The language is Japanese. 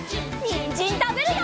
にんじんたべるよ！